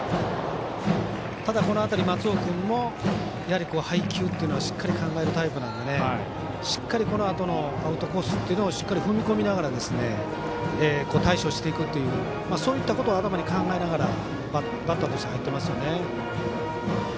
ただ、この辺り松尾君もやはり配球っていうのをしっかり考えるタイプなのでしっかりこのあとのアウトコースっていうのをしっかり踏み込みながら対処していくというそういったことを頭に考えながらバッターとして入ってますよね。